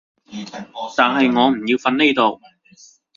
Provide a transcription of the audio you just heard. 但係我唔要瞓呢度